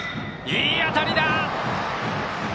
いい当たりだ！